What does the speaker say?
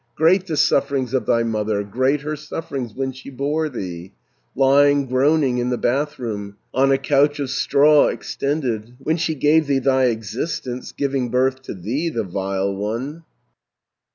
Great the sufferings of thy mother, Great her sufferings when she bore thee, Lying groaning in the bathroom, On a couch of straw extended, When she gave thee thy existence, Giving birth to thee, the vile one!'"